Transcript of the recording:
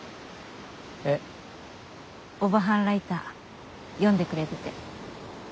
オバハンライター読んでくれてて。